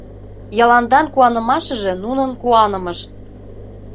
Йыландан куанымашыже — нунын куанымышт.